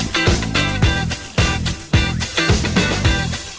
ขอบคุณมากครับ